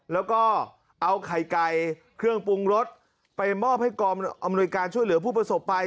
แล้วก็เอาไข่ไก่เครื่องปรุงรสไปมอบให้กองอำนวยการช่วยเหลือผู้ประสบภัย